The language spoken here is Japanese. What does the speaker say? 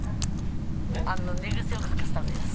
あの寝癖を隠すためです。